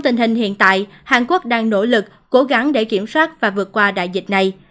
tình hình hiện tại hàn quốc đang nỗ lực cố gắng để kiểm soát và vượt qua đại dịch này